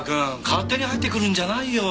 勝手に入ってくるんじゃないよ。